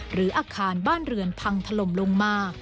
หรืออาคารบ้านเรือนพังถล่มลงมา